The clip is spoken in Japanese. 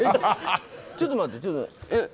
ちょっと待って。